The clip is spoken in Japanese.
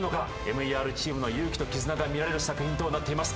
ＭＥＲチームの勇気と絆が見られる作品となっています